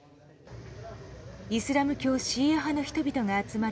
イスラム教シーア派の人々が集まる